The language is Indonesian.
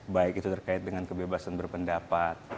baik itu terkait dengan kebebasan berpendapat